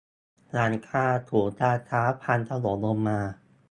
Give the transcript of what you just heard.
หลังคาศูนย์การค้า พังถล่มลงมา